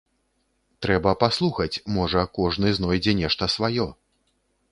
Трэба паслухаць, можа, кожны знойдзе нешта сваё.